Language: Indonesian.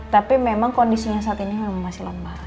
tapi memang kondisinya saat ini memang masih lemah